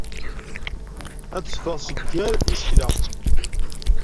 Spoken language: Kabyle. Ad d-teffeɣ si gar yisekla.